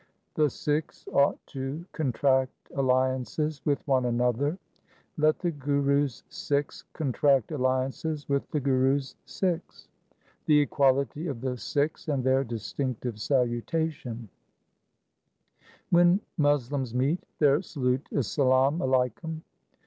1 The Sikhs ought to contract alliances with one another :— Let the Guru's Sikhs contract alliances with the Guru's Sikhs 2 The equality of the Sikhs and their distinctive salutation :— When Moslems meet, their salute is ' Salam alaikum